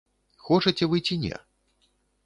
Хочаце вы ці не?